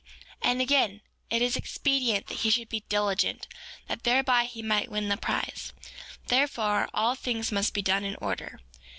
And again, it is expedient that he should be diligent, that thereby he might win the prize; therefore, all things must be done in order.